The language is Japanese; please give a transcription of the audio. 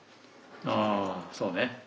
あそうね。